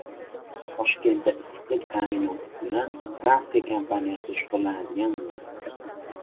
Toshkentda issiqlik ta’minoti bilan Fransiya kompaniyasi shug‘ullanadigan bo‘ldi